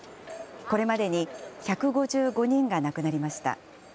これまでに１５５人が亡くなりました。